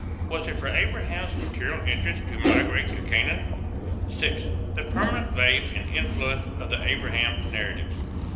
Was it for Abraham's material interest to migrate to Canaan? VI. THE PERMANENT VALUE AND INFLUENCE OF THE ABRAHAM NARRATIVES.